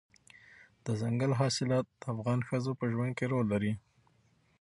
دځنګل حاصلات د افغان ښځو په ژوند کې رول لري.